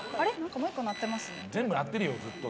全部鳴ってるよずっと。